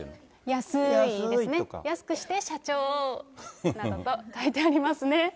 安ーいですね、安くしてー、社長、などと書いてありますね。